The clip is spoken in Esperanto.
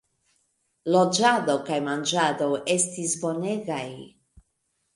Loĝado kaj manĝado estis bonegaj.